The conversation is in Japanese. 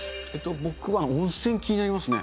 僕は温泉、気になりますね。